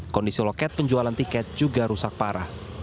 kondisi loket penjualan tiket juga rusak parah